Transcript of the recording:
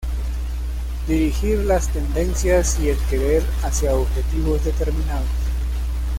Dirigir las tendencias y el querer hacia "objetivos" determinados.